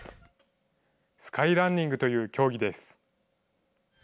スカイランニングという競技です。